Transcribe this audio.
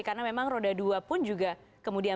karena memang roda dua pun juga kemudian